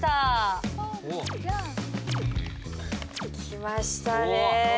きましたねえ。